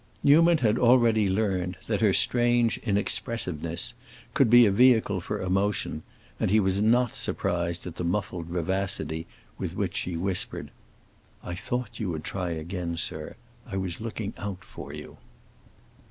Newman had already learned that her strange inexpressiveness could be a vehicle for emotion, and he was not surprised at the muffled vivacity with which she whispered, "I thought you would try again, sir. I was looking out for you."